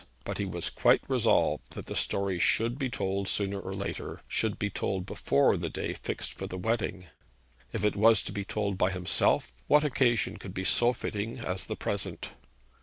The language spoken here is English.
But he was quite resolved that the story should be told sooner or later, should be told before the day fixed for the wedding. If it was to be told by himself, what occasion could be so fitting as the present?